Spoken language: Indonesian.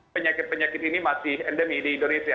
penyakit penyakit ini masih endemi di indonesia